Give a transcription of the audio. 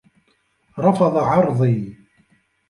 رفض عرضي.